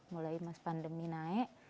mulai pandemi naik